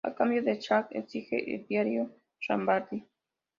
A cambio, Sark exige el diario Rambaldi.